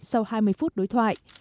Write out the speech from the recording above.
sau hai mươi phút đối thoại